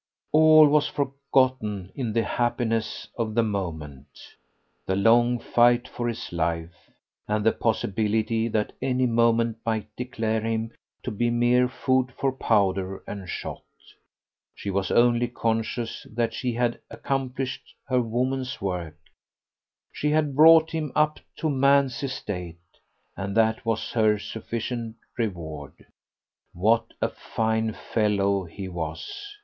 All was forgotten in the happiness of the moment the long fight for his life, and the possibility that any moment might declare him to be mere food for powder and shot. She was only conscious that she had accomplished her woman's work she had brought him up to man's estate; and that was her sufficient reward. What a fine fellow he was!